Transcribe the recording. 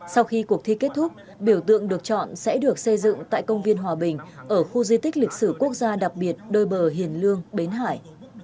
sau khi cuộc thi kết thúc biểu tượng được chọn sẽ được xây dựng tại công viên hòa bình ở khu di tích lịch sử quốc gia đặc biệt đôi bờ hiền lương bến hải